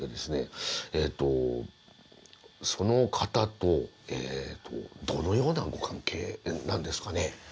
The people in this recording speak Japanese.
その方とどのようなご関係なんですかね？